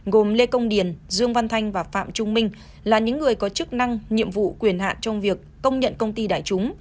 gồm lê công điền dương văn thanh và phạm trung minh là những người có chức năng nhiệm vụ quyền hạn trong việc công nhận công ty đại chúng